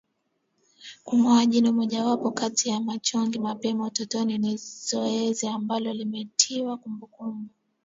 Kungoa jino mojawapo kati ya machonge mapema utotoni ni zoezi ambalo limetiwa kumbukumbu